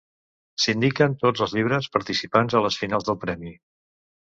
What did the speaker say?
S'indiquen tots els llibres participants a les finals del Premi.